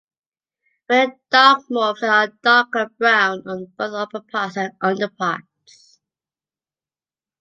Rare dark morphs are a darker brown on both upperparts and underparts.